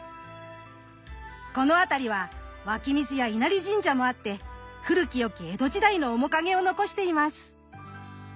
この辺りは湧き水や稲荷神社もあって古き良き江戸時代の面影を残しています。